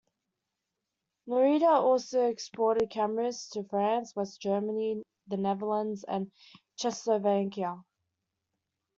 Norita also exported cameras to France, West Germany, the Netherlands, and Czechoslovakia.